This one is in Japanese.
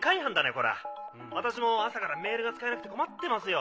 これは私も朝からメールが使えなくて困ってますよ。